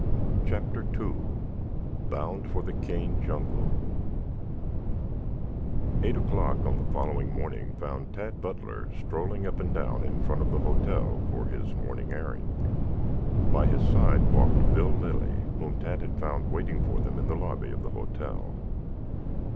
CHAPTER II BOUND FOR THE CANE JUNGLE Eight o'clock on the following morning found Tad Butler strolling up and down in front of the hotel for his morning airing. By his side walked Bill Lilly, whom Tad had found waiting for them in the lobby of the hotel.